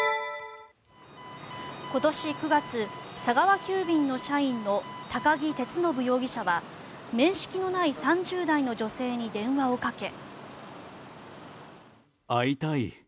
今年９月、佐川急便の社員の都木徹信容疑者は面識のない３０代の女性に電話をかけ。